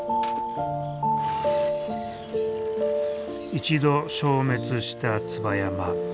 一度消滅した椿山。